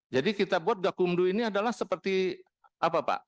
jadi kita buat gakumdu ini adalah seperti apa pak